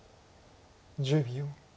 １０秒。